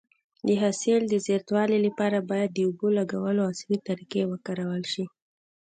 د حاصل د زیاتوالي لپاره باید د اوبو لګولو عصري طریقې وکارول شي.